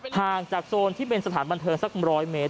ห่างจากโซนที่เป็นสถานบันเทิงสัก๑๐๐เมตร